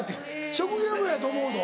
職業病やと思うど。